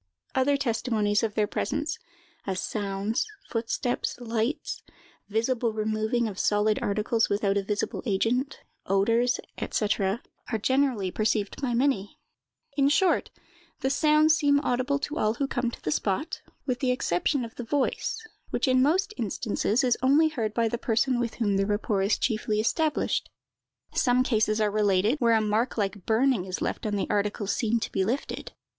Other testimonies of their presence—as sounds, footsteps, lights, visible removing of solid articles without a visible agent, odors, &c.—are generally perceived by many; in short, the sounds seem audible to all who come to the spot, with the exception of the voice, which in most instances is only heard by the person with whom the rapport is chiefly established. Some cases are related, where a mark like burning is left on the articles seen to be lifted.